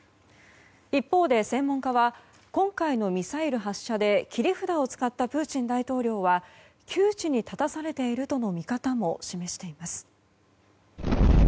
一方で専門家は今回のミサイル発射で切り札を使ったプーチン大統領は窮地に立たされているとの見方も示されています。